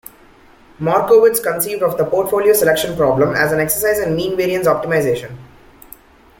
Markowitz conceived of the portfolio selection problem as an exercise in mean-variance optimization.